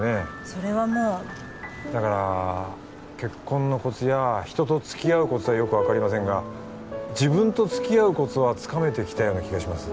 それはもうだから結婚のコツや人と付き合うコツはよく分かりませんが自分と付き合うコツはつかめてきたような気がします